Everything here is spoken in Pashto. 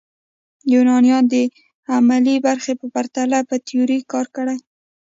یونانیانو د عملي برخې په پرتله په تیوري کار کړی.